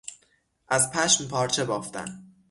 از پشم پارچه بافتن